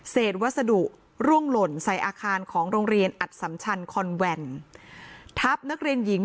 วัสดุร่วงหล่นใส่อาคารของโรงเรียนอัดสัมชันคอนแวนทับนักเรียนหญิง